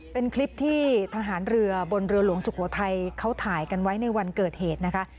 เป็นคลิปที่ทหารเรือบนเรือหลวงสุโขทัยเขาถ่ายกันไว้ในวันเกิดเหตุนะคะ